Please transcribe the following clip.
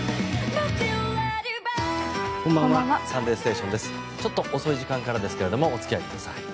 ちょっと遅い時間からですがお付き合いください。